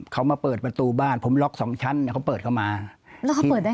เขามาเปิดประตูบ้านผมล็อกสองชั้นเขาเปิดเข้ามาแล้วเขาเปิดได้